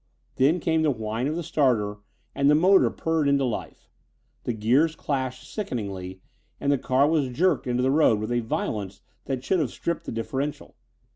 Then came the whine of the starter and the motor purred into life. The gears clashed sickeningly and the car was jerked into the road with a violence that should have stripped the differential.